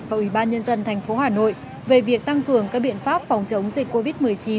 và ủy ban nhân dân tp hà nội về việc tăng cường các biện pháp phòng chống dịch covid một mươi chín